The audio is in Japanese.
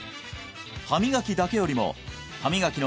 歯磨きだけよりも歯磨き